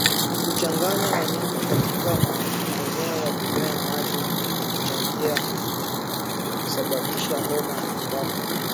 Kuchanganya wanyama katika maeneo ya kunywea maji na kuchungia husababisha homa ya mapafu